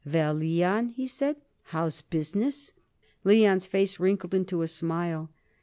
"Well, Leon," he said, "how's business?" Leon's face wrinkled into a smile.